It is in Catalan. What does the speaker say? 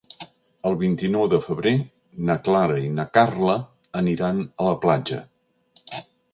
El vint-i-nou de febrer na Clara i na Carla aniran a la platja.